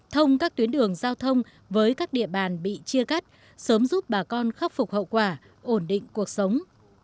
thông các tuyến đường giao thông với các địa bàn bị chia cắt sớm giúp bà con khắc phục hậu quả ổn định cuộc sống